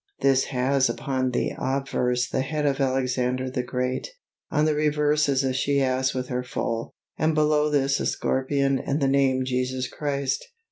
This has upon the obverse the head of Alexander the Great; on the reverse is a she ass with her foal, and below this a scorpion and the name Jesus Christ.